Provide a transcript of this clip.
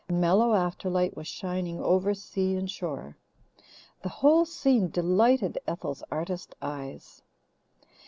A mellow afterlight was shining over sea and shore. The whole scene delighted Ethel's artist eyes.